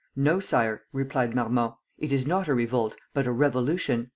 "No, sire," replied Marmont; "it is not a revolt, but a revolution."